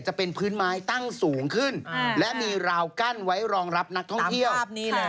จะเป็นพื้นไม้ตั้งสูงขึ้นและมีราวกั้นไว้รองรับนักท่องเที่ยวภาพนี้เลย